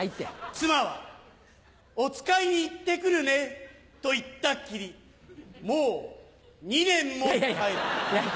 妻は「おつかいに行ってくるね」と言ったきりもう２年も帰ってこない。